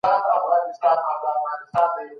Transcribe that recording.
خلګو په هیواد کي د پاته کیدو هیله درلوده.